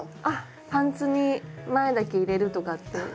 あっパンツに前だけ入れるとかって。